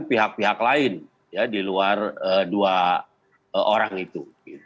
pihak pihak lain di luar dua orang itu